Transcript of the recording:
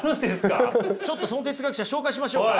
ちょっとその哲学者紹介しましょうか。